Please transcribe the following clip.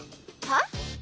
はっ！